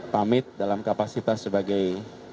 pamit dalam kapasitas sebagai